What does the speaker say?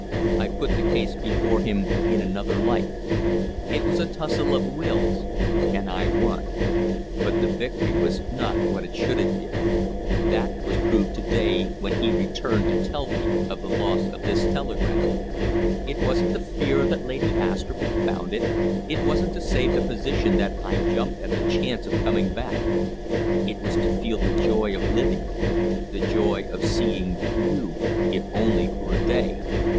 I put the case before him in another light. It was a tussle of wills and I won; but the victory was not what it should have been. That was proved to day when he returned to tell me of the loss of this telegram. It wasn't the fear that Lady Astrupp had found it; it wasn't to save the position that I jumped at the chance of coming back; it was to feel the joy of living, the joy of seeing you if only for a day!"